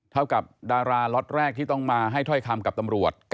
เท่ากับดาราล็อตแรกที่ต้องมาให้ถ้อยคำกับตำรวจ